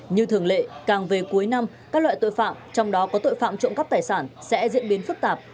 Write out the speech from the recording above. như thường lệ càng về cuối năm các loại tội phạm trong đó có tội phạm trộm cắp tài sản sẽ diễn biến phức tạp